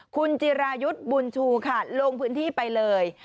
คุณจิรายุทธ์บุญชูค่ะลงพื้นที่ไปเลย